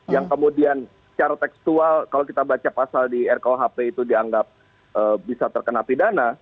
yang kemudian secara tekstual kalau kita baca pasal di rkuhp itu dianggap bisa terkena pidana